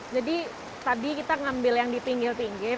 jadi tadi kita ngambil yang di pinggir pinggir